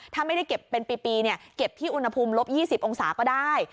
ถ้าไม่ได้เก็บเป็นปีเก็บที่อุณหภูมิลบ๒๐องศาก็ได้